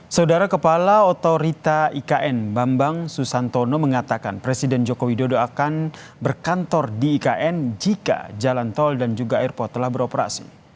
saudara kepala otorita ikn bambang susantono mengatakan presiden joko widodo akan berkantor di ikn jika jalan tol dan juga airport telah beroperasi